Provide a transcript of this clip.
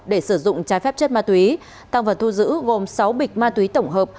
để sử dụng trái phép chất ma túy tăng vật thu giữ gồm sáu bịch ma túy tổng hợp